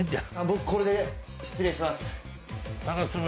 僕これで失礼します